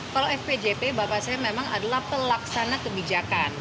kalau fpjp bapak saya memang adalah pelaksana kebijakan